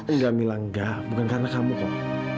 enggak mila enggak bukan karena kamu kok